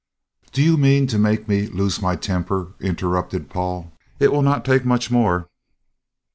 "Do you mean to make me lose my temper?" interrupted Paul. "It will not take much more."